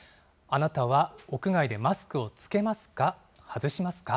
あなたは屋外でマスクを着けますか？